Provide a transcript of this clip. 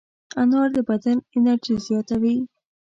انار د بدن انرژي زیاتوي.